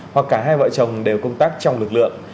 hoặc cả hai vợ chồng đều công tác trong lực lượng